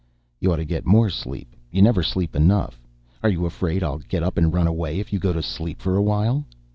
"You ought to get more sleep. You never sleep enough. Are you afraid I'll get up and run away if you go to sleep for a while?"